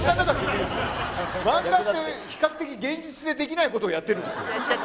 漫画って比較的現実でできないことをやってるんですよ。